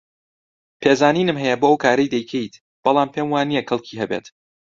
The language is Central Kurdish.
پێزانینم هەیە بۆ ئەو کارەی دەیکەیت، بەڵام پێم وانییە کەڵکی هەبێت.